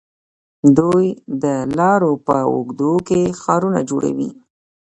دوی د لارو په اوږدو کې ښارونه جوړوي.